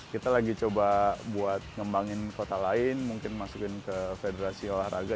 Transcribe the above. kita lagi coba buat ngembangin kota lain mungkin masukin ke federasi olahraga